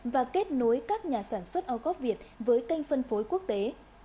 và kết nối các nhà sản xuất o cop việt với kênh phân phối quốc tế